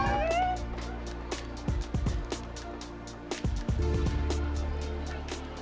eh eh dimulai